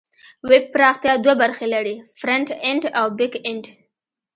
ویب پراختیا دوه برخې لري: فرنټ اینډ او بیک اینډ.